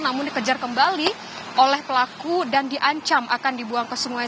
namun dikejar kembali oleh pelaku dan diancam akan dibuang ke sungai